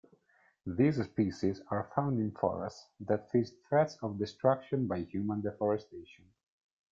These species are found in forests that face threats of destruction by human deforestation.